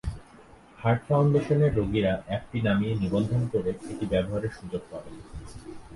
Heart ফাউন্ডেশনের রোগীরা অ্যাপটি নামিয়ে নিবন্ধন করে এটি ব্যবহারের সুযোগ পাবেন।